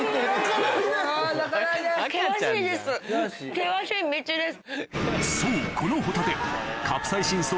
険しい道です。